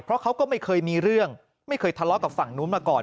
เพราะเขาก็ไม่เคยมีเรื่องไม่เคยทะเลาะกับฝั่งนู้นมาก่อน